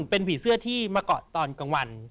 เป็นผีเสื้อที่มาเกาะตอนกลางวัน